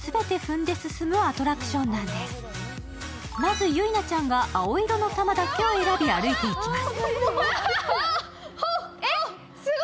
まず、ゆいなちゃんが青色の玉だけを選び、歩いていきます。